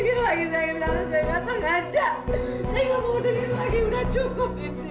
sebaiknya kita nggak usah berhubungan lagi